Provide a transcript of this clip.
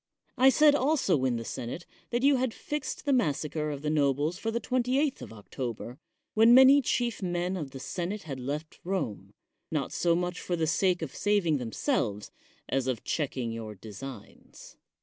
I said also in the senate that you had fixed the massacre of the nobles for the 28th of October when many chief men of the senate had left Rome, not so much for the sake of saving themselves as of checking your designs.